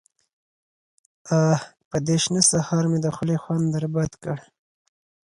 _اه! په دې شنه سهار مې د خولې خوند در بد کړ.